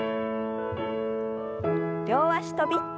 両脚跳び。